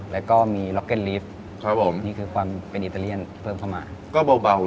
แล้วก็มีล็อกเก็ตลิฟต์ครับผมนี่คือความเป็นอิตาเลียนเพิ่มเข้ามาก็เบา